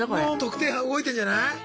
もう特定班動いてんじゃない？